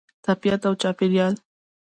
طبیعت او چاپیریال